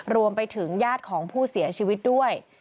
รวมไปถึงญาติของผู้เสียชีวิตด้วย